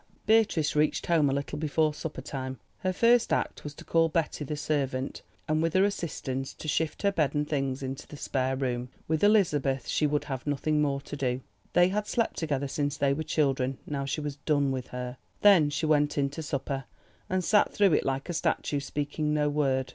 Beatrice reached home a little before supper time. Her first act was to call Betty the servant and with her assistance to shift her bed and things into the spare room. With Elizabeth she would have nothing more to do. They had slept together since they were children, now she had done with her. Then she went in to supper, and sat through it like a statue, speaking no word.